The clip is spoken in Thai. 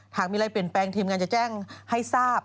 หากมีอะไรเปลี่ยนแปลงทีมงานจะแจ้งให้ทราบ